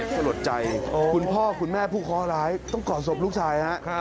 สลดใจคุณพ่อคุณแม่ผู้เคาะร้ายต้องก่อศพลูกชายฮะ